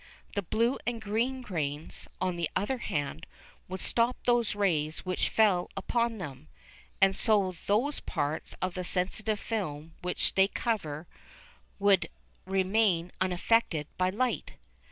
The blue and green grains, on the other hand, would stop those rays which fell upon them, and so those parts of the sensitive film which they cover would remain unaffected by light.